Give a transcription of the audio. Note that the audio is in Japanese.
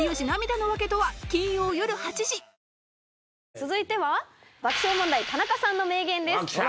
続いては爆笑問題田中さんの名言です。